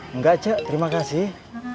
enggak cek terima kasih